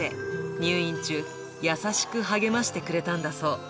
入院中、優しく励ましてくれたんだそう。